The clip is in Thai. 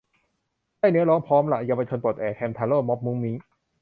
ได้เนื้อร้อง พร้อมละ เยาวชนปลดแอก แฮมทาโร่ ม็อบมุ้งมิ้ง